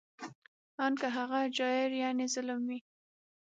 ان که هغه جائر یعنې ظالم وي